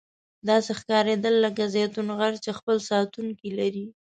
داسې ښکاریدل لکه زیتون غر چې خپل ساتونکي لري.